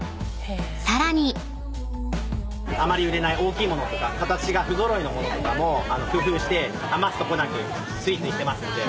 ［さらに］あまり売れない大きい物とか形が不揃いの物とかも工夫して余すとこなくスイーツにしてますので。